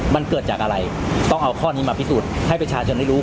มันเกิดจากอะไรต้องเอาข้อนี้มาพิสูจน์ให้ประชาชนได้รู้